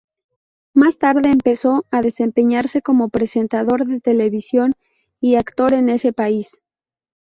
Más tarde empezó a desempeñarse como presentador de televisión y actor en ese país.